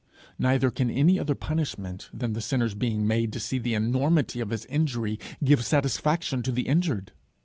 Neither can any other punishment than the sinner's being made to see the enormity of his injury, give satisfaction to the injured.